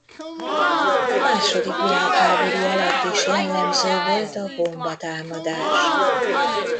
A második világháború alatt is jellemző volt a bombatámadás.